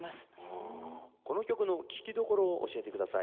この曲の聞きどころを教えてください。